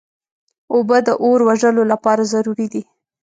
اوبه د اور وژلو لپاره ضروري دي.